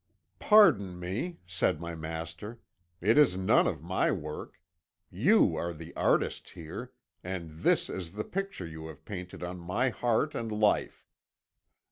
"'Pardon me,' said my master; 'it is none of my work. You are the artist here, and this is the picture you have painted on my heart and life.